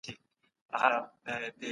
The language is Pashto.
که ته وغواړي نو زه به تاته درس درکړم.